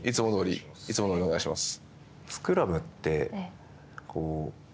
いつもどおりでお願いします。